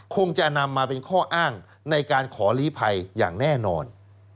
คงจะนำมาเป็นข้ออ้างในการขอลีภัยอย่างแน่นอน